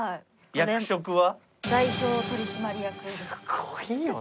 役職は？